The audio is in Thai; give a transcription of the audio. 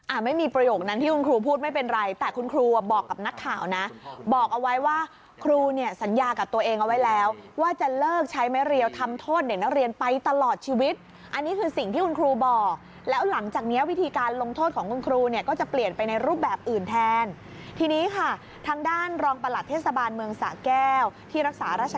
ไม่มีประโยคนั้นที่คุณครูพูดไม่เป็นไรแต่คุณครูอ่ะบอกกับนักข่าวนะบอกเอาไว้ว่าครูเนี่ยสัญญากับตัวเองเอาไว้แล้วว่าจะเลิกใช้ไม้เรียวทำโทษเด็กนักเรียนไปตลอดชีวิตอันนี้คือสิ่งที่คุณครูบอกแล้วหลังจากเนี้ยวิธีการลงโทษของคุณครูเนี่ยก็จะเปลี่ยนไปในรูปแบบอื่นแทนทีนี้ค่ะทางด้านรองประหลัดเทศบาลเมืองสะแก้วที่รักษารัช